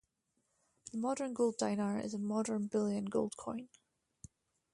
The modern gold dinar is a modern bullion gold coin.